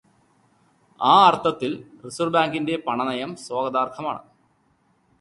ഈ അർത്ഥത്തിൽ റിസർവ്വ് ബാങ്കിന്റെ പണനയം സ്വാഗതാർഹമാണ്.